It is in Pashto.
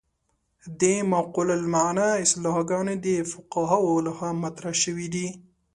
د معقولة المعنی اصطلاحګانې د فقهاوو له خوا مطرح شوې دي.